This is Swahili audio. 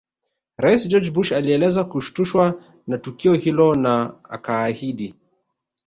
Rais George Bush alieleza kushtushwa na tukio hilo na akaahidi